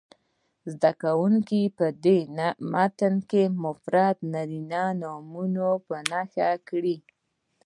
زده کوونکي دې په متن کې مفرد نارینه نومونه په نښه کړي.